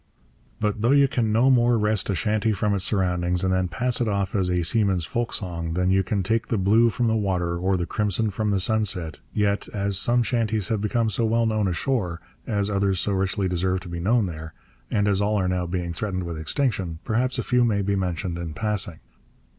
But though you can no more wrest a chanty from its surroundings and then pass it off as a seaman's folk song than you can take the blue from the water or the crimson from the sunset, yet, as some chanties have become so well known ashore, as others so richly deserve to be known there, and as all are now being threatened with extinction, perhaps a few may be mentioned in passing.